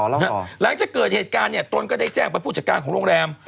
หลังจากเกิดเหตุการณ์เนี่ยตนก็ได้แจ้งไปผู้จัดการของโรงแรม